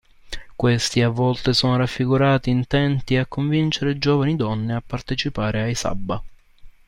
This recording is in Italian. Questi a volte sono raffigurati intenti a convincere giovani donne a partecipare ai Sabba.